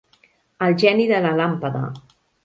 El geni de la làmpada.